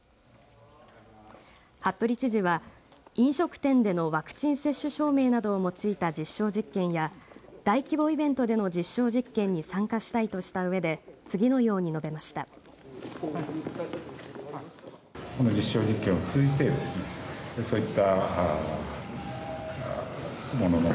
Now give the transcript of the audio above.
服部知事は飲食店でのワクチン接種証明などを用いた実証実験や大規模イベントでの実証実験に参加したいとしたうえで次のように述べました。